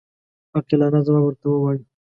عاقلانه ځواب ورته ووایو.